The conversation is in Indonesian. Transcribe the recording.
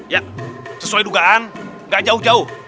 ya sesuai dugaan gak jauh jauh